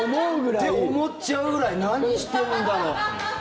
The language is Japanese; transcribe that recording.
って思っちゃうぐらい何してるんだろう？